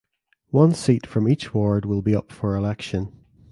One seat from each ward will be up for election.